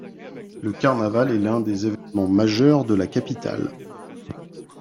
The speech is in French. Le carnaval est l'un des événements majeurs de la Capitale.